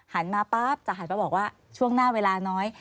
หันมาจะแบบช่วงหน้าเวลาน้อย